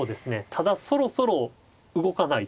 ただそろそろ動かないと。